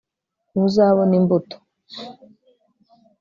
ntuzabona imbuto